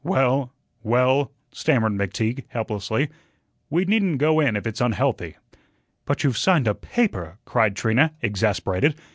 "Well well," stammered McTeague, helplessly, "we needn't go in if it's unhealthy." "But you've signed a PAPER," cried Trina, exasperated.